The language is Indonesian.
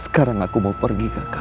sekarang aku mau pergi ke kamu